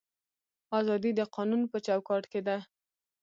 ازادي د قانون په چوکاټ کې ده